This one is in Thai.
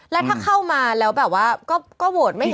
แล้วถ้าเข้ามาแล้วแบบว่าก็โหวตไม่เห็นด้วยไม่ได้